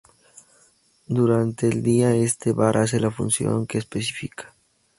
Durante el día, este bar hace la función que especifica.